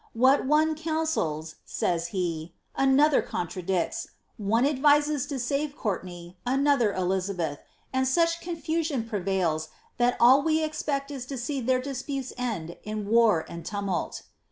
^ Wliat one counsels," says he, ^^ another contradicts ; one advises to save Courtenay, another Elizabeth, and such confusion prevails that all we expect is to see their disputes end in war and tumult."